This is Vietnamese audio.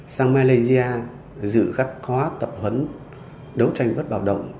sang malaysia dự gắt khóa tạo huấn đấu tranh bất bạo động